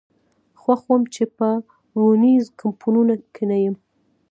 خوښ وم چې په روزنیزو کمپونو کې نه یم.